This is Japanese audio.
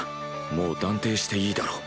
もう断定していいだろう。